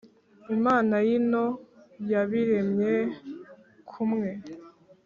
imana y’ino yabiremye kumwe